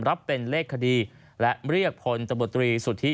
รับเป็นเลขคดีและเรียกพลตำรวจตรีสุทธิ